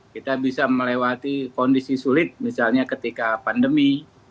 kita bisa melewati kondisi sulit misalnya ketika pandemi